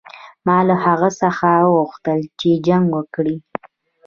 ما له هغه څخه وغوښتل چې جنګ وکړي.